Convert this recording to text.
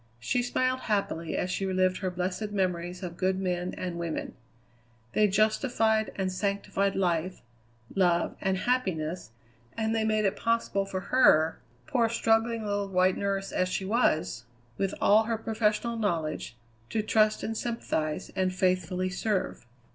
She smiled happily as she relived her blessed memories of good men and women. They justified and sanctified life, love, and happiness, and they made it possible for her, poor, struggling, little white nurse as she was, with all her professional knowledge, to trust and sympathize, and faithfully serve.